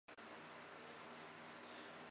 高盛投资亚洲区副总裁。